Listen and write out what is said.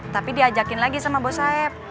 tapi diajakin lagi sama bos saif